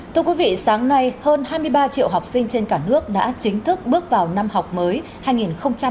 thưa quý vị sáng nay hơn hai mươi ba triệu học sinh trên cả nước đã chính thức bước vào năm học mới hai nghìn hai mươi hai nghìn hai mươi